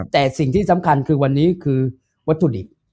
แต่สิ่งที่สำคัญคือวันนี้คือวัตถุดิบ